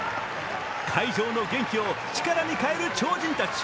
会場の元気を力に変える超人たち。